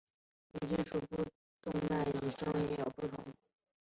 不同金属的脉动声也有所不同。